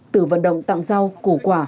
từ vận động tặng rau củ quà